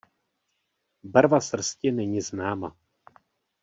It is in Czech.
Barva srsti není známa.